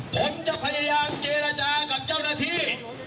ผมจะพยายามเจรจากับเจ้าหน้าที่